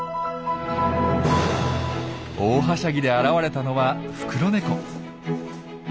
大はしゃぎで現れたのはフクロネコ。